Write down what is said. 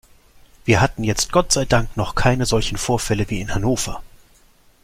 Wir hatten jetzt Gott sei Dank noch keine solchen Vorfälle wie in Hannover.